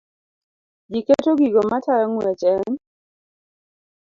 Ji keto gigo matayo ng'wech e n